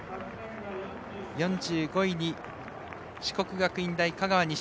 ４５位に四国学院大香川西。